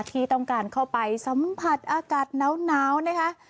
ที่ต้องการเข้าไปสัมผัสอากาศหนาวนะคะ